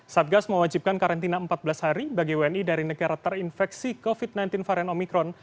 satgas mewajibkan karantina empat belas hari bagi wni dari negara terinfeksi covid sembilan belas varian omikron